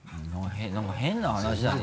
何か変な話だね